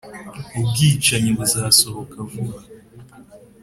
ubwicanyi buzasohoka vuba